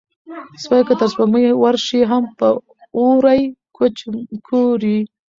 سپى که تر سپوږمۍ ورشي، هم به اوري کوچ کورې